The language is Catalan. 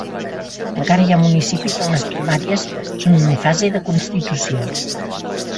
Encara hi ha municipis on les primàries són en fase de constitució.